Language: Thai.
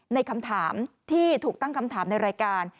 ในคำถามที่ถูกตั้งคำถามในรายการ